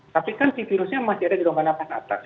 tapi kan si virusnya masih ada di rongga napas atas